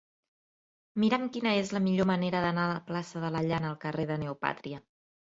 Mira'm quina és la millor manera d'anar de la plaça de la Llana al carrer de Neopàtria.